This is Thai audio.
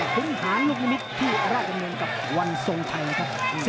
ขุนหาญลูกลิมิตที่อร่าจะเนินกับวันทรงไทยนะครับ